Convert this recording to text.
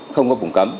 không có vùng cấm